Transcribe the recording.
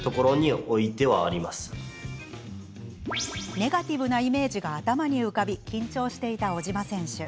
ネガティブなイメージが頭に浮かび緊張していた小島選手。